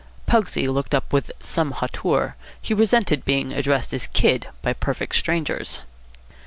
Pugsy looked up with some hauteur. He resented being addressed as "kid" by perfect strangers.